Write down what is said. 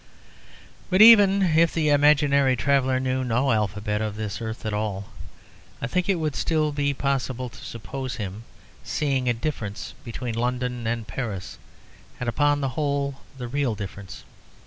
But even if the imaginary traveller knew no alphabet of this earth at all, I think it would still be possible to suppose him seeing a difference between London and Paris, and, upon the whole, the real difference.